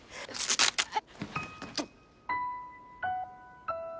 はい。